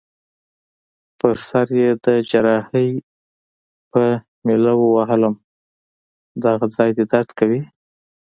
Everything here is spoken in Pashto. پر سر يي د جراحۍ په میله ووهلم: دغه ځای دي درد کوي؟